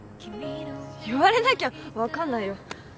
言われなきゃ分かんないよ。